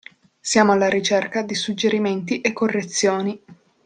Siamo alla ricerca di suggerimenti e correzioni.